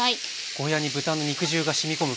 ゴーヤーに豚の肉汁がしみ込む感じですか？